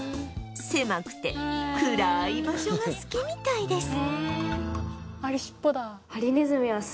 狭くて暗い場所が好きみたいです